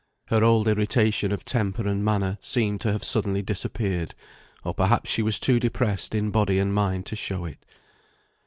Her old irritation of temper and manner seemed to have suddenly disappeared, or perhaps she was too depressed in body and mind to show it.